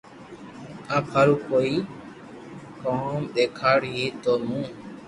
آپ ھارو ڪوئي ڪرن ديکارو ھي جي مون